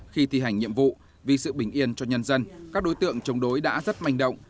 khi thi hành nhiệm vụ vì sự bình yên cho nhân dân các đối tượng chống đối đã rất manh động